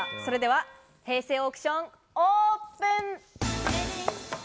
それでは平成オークションオープン！